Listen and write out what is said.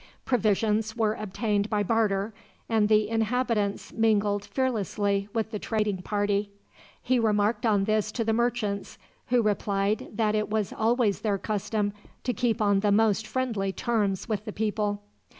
Provisions were obtained by barter, and the inhabitants mingled fearlessly with the trading party. He remarked on this to the merchants, who replied that it was always their custom to keep on the most friendly terms with the people.